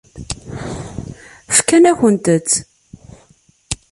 Fkan-akent-t.